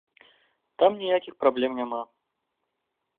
Там ніякіх праблем няма.